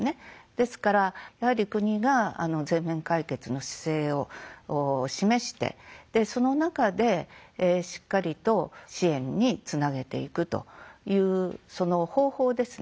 ですからやはり国が全面解決の姿勢を示してその中でしっかりと支援につなげていくというその方法ですね